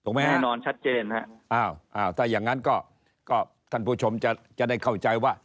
แน่นอนชัดเจนฮะอ้าวถ้าอย่างนั้นก็ท่านผู้ชมจะได้เข้าใจว่า